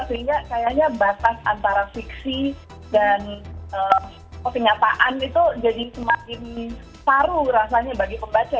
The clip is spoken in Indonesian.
sehingga kayaknya batas antara fiksi dan kenyataan itu jadi semakin paru rasanya bagi pembaca